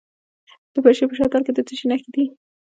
د پنجشیر په شتل کې د څه شي نښې دي؟